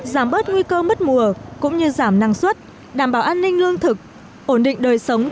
giảm bớt nguy cơ mất mùa cũng như giảm năng suất đảm bảo an ninh lương thực ổn định đời sống cho người dân huyện vùng cao mù căng chảy